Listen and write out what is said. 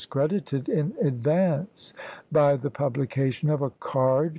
ii credited in advance by the publication of a card lsei.